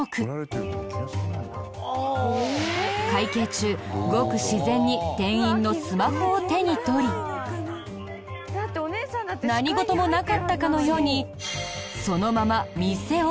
会計中ごく自然に店員のスマホを手に取り何事もなかったかのようにそのまま店をあとに。